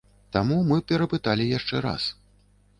Таму мы перапыталі яшчэ раз.